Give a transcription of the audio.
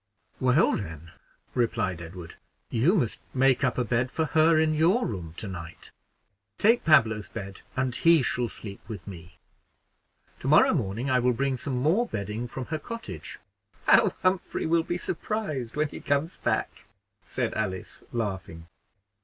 "Well, then," replied Edward, "you must make up a bed for her in your room to night. Take Pablo's bed, and he shall sleep with me. To morrow morning I will bring some more bedding from her cottage." "How Humphrey will be surprised when he comes back!" said Alice, laughing..